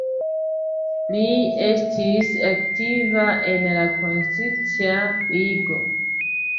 Li estis aktiva en la Konscia Ligo.